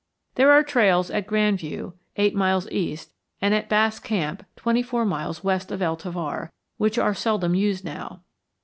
There are trails at Grand View, eight miles east, and at Bass Camp, twenty four miles west of El Tovar, which are seldom used now.